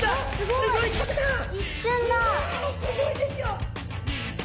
すギョいですよ！